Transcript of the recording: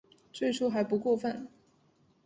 最初还不过分